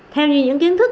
theo như những kiến thức